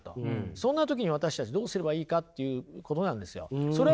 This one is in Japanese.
そんな時に私たちどうすればいいかっていうことなんですよ。